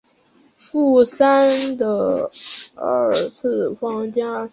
原址将开设太平洋影城。